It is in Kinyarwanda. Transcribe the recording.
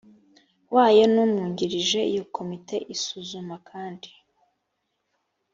wayo n umwungirije iyo komite isuzuma kandi